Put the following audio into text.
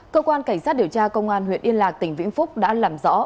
cơ quan cảnh sát điều tra công an huyện yên lạc tỉnh vĩnh phúc đã làm rõ